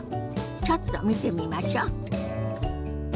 ちょっと見てみましょ。